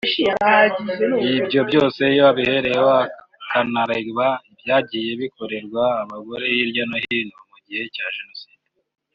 Ibyo byose iyo abihereyeho akanareba ibyagiye bikorerwa abagore hirya no hino mu gihe cya Jenoside